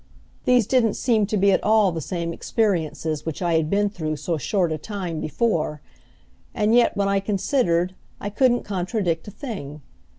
These didn't seem to be at all the same experiences which I had been through so short a time before; and yet, when I considered, I couldn't contradict a thing.